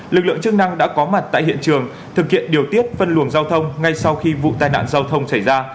lực lượng chức năng đã có mặt tại hiện trường thực hiện điều tiết phân luồng giao thông ngay sau khi vụ tai nạn giao thông xảy ra